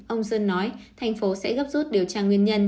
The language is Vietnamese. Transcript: ông sơn nói thành phố sẽ gấp rút điều tra nguyên nhân